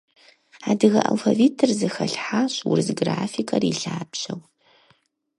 Адыгэ алфавитыр зэхэлъхьащ урыс графикэр и лъабжьэу.